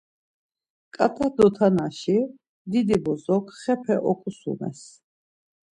Ǩat̆a dotanaşi didi bozok xepe oǩusumes.